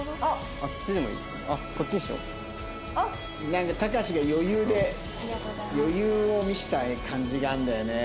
なんかたかしが余裕で余裕を見せた感じがあるんだよね。